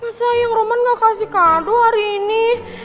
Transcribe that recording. masa ayang roman enggak kasih kado hari ini